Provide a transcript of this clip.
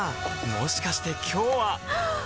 もしかして今日ははっ！